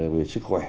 về sức khỏe